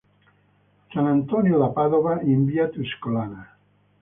Sant'Antonio da Padova in Via Tuscolana